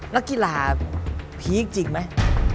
นักกีฬาพีคจริงไหม